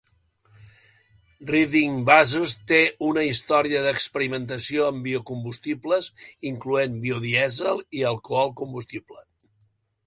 Reading Busos té una història d'experimentació amb biocombustibles, incloent biodièsel i alcohol combustible.